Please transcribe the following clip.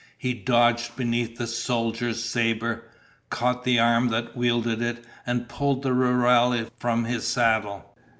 He dodged beneath the soldier's saber, caught the arm that wielded it, and pulled the rurale from his saddle.